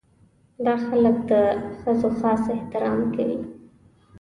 دا خلک د ښځو خاص احترام کوي.